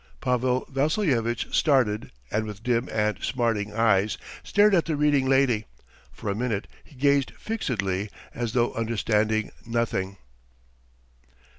... Pavel Vassilyevitch started and with dim and smarting eyes stared at the reading lady; for a minute he gazed fixedly as though understanding nothing.